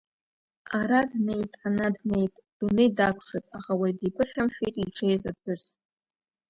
Ара днеит, ана днеит дунеи дакәшеит, аха уаҩ димԥыхьамшәеит иҽеиз аԥҳәыс.